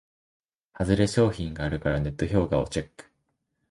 ハズレ商品があるからネット評価をチェック